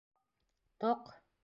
Тоҡ?